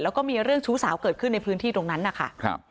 แล้วก็มีเรื่องชู้สาวเกิดขึ้นในพื้นที่ตรงนั้นนะคะ